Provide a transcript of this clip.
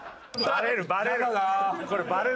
バレるバレる。